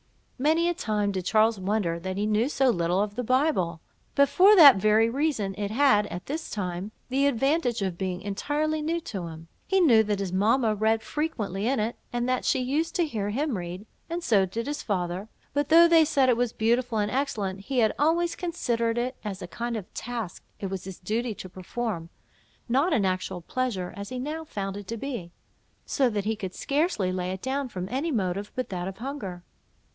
Many a time did Charles wonder that he knew so little of the Bible; but for that very reason, it had, at this time, the advantage of being entirely new to him. He knew that his mamma read frequently in it; and that she used to hear him read, and so did his father; but though they said it was beautiful and excellent, he had always considered it as a kind of task it was his duty to perform, not an actual pleasure, as he now found it to be; so that he could scarcely lay it down, from any motive but that of hunger.